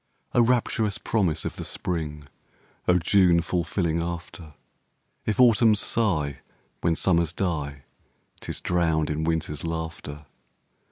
O rapturous promise of the Spring! O June fulfilling after! If Autumns sigh, when Summers die, 'Tis drowned in Winter's laughter.